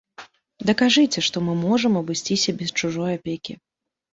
Дакажыце, што мы можам абысціся без чужой апекі.